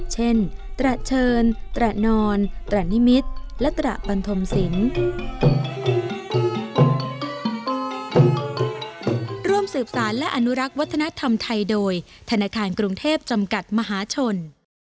เช่นตระเชิญตระนอนตระนิมิตรและตระบันทมศิลป์